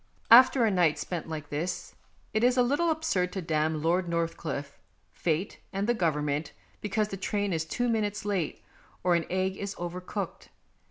After a night spent like this it is a little absurd to damn Lord Northcliffe, Fate, and the Government because the train is two minutes late, or an egg is over cooked.